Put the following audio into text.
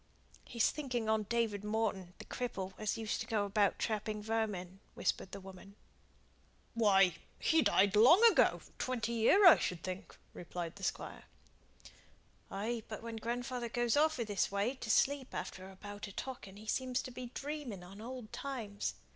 "He's thinking on David Morton, the cripple, as used to go about trapping vermin," whispered the woman. "Why, he died long ago twenty year, I should think," replied the Squire. "Ay, but when grandfather goes off i' this way to sleep after a bout of talking he seems to be dreaming on old times.